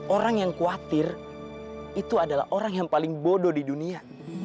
orang yang khawatir itu adalah orang yang paling bodoh di dunia